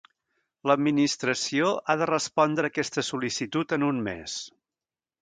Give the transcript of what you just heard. L'Administració ha de respondre aquesta sol·licitud en un mes.